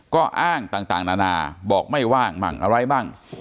ก็อ้างต่างนานาบอกไม่ว่างมั่งอะไรมั่ง